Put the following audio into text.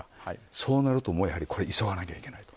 そうなると急がなきゃいけない。